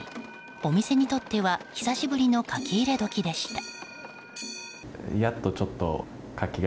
お店にとっては久しぶりの書き入れ時でした。